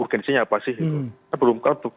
urgensinya apa sih itu